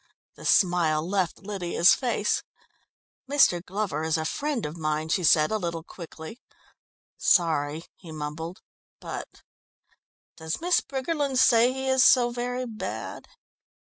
The smile left Lydia's face. "Mr. Glover is a friend of mine," she said a little quickly. "Sorry," he mumbled, "but " "Does Miss Briggerland say he is so very bad?"